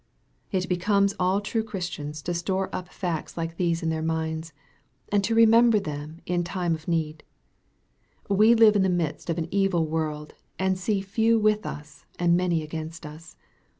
It becomes all true Christians to store up facts like 128 EXPOSITOKY THOUGHTS. these in their minds, and to remember them in time of need. We live in the midst of an evil world, and see few with us, and many against us.